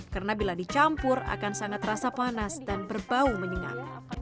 karena bila dicampur akan sangat rasa panas dan berbau menyenang